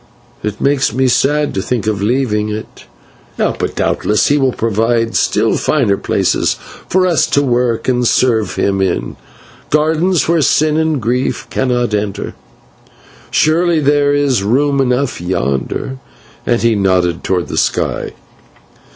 It makes me sad to think of leaving it, but doubtless He will provide still finer places for us to work and serve Him in, gardens where sin and grief cannot enter. Surely there is room enough yonder," and he nodded toward the sky.